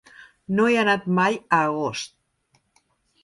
No he anat mai a Agost.